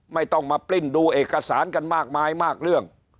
ไม่ต้องมาปลิ้นดูเอกสารกันมากมายมากเรื่อง